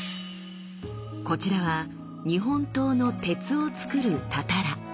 こちらは日本刀の鉄をつくる「たたら」。